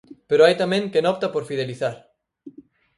Pero hai tamén quen opta por fidelizar.